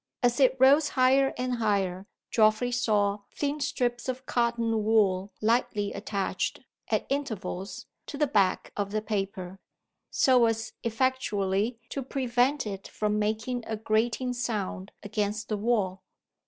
As it rose higher and higher, Geoffrey saw thin strips of cotton wool lightly attached, at intervals, to the back of the paper, so as effectually to prevent it from making a grating sound against the wall.